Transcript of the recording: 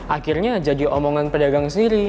akhirnya jadi omongan pedagang sendiri